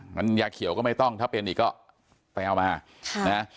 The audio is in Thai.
งั้นยาเขียวก็ไม่ต้องถ้าเป็นอีกก็ไปเอามาค่ะนะ